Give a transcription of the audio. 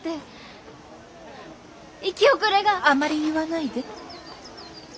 あんまり言わないで。